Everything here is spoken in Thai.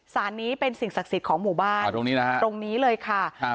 สารนี้เป็นสิ่งศักดิ์สิทธิ์ของหมู่บ้านตรงนี้นะฮะตรงนี้เลยค่ะครับ